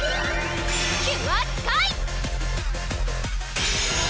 キュアスカイ！